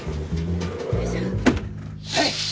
はい！